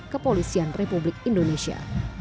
serta kepolisian republik indonesia